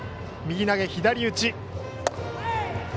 右投げ左打ち。